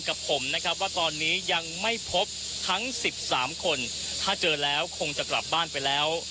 กับผมนะครับว่าตอนนี้ยังไม่พบทั้ง๑๓คนถ้าเจอแล้วคงจะกลับบ้านไปแล้ว